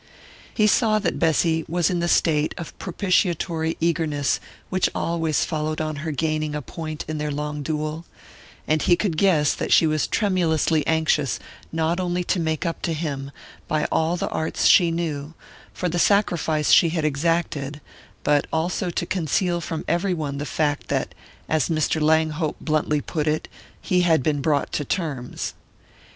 He saw that Bessy was in the state of propitiatory eagerness which always followed on her gaining a point in their long duel; and he could guess that she was tremulously anxious not only to make up to him, by all the arts she knew, for the sacrifice she had exacted, but also to conceal from every one the fact that, as Mr. Langhope bluntly put it, he had been "brought to terms."